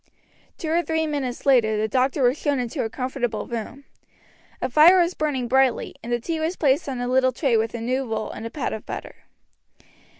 Two or three minutes later the doctor was shown into a comfortable room. A fire was burning brightly, and the tea was placed on a little tray with a new roll and a pat of butter.